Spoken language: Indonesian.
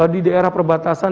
di daerah perbatasan